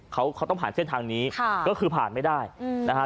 เขาเขาต้องผ่านเส้นทางนี้ค่ะก็คือผ่านไม่ได้อืมนะฮะ